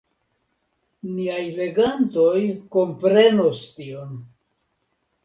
Niaj legantoj komprenos tion.